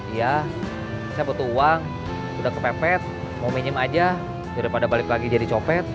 iya saya butuh uang udah kepepet mau minjem aja daripada balik lagi jadi copet